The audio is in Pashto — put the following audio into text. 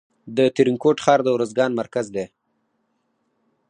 د ترینکوټ ښار د ارزګان مرکز دی